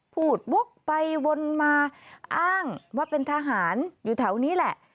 พูดวกไปวนมาอ้างว่าเป็นทหารอยู่แถวนี้แหละ